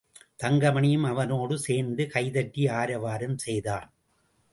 தங்கமணியும் அவனோடு சேர்ந்து கைதட்டி ஆரவாரம் செய்தான்.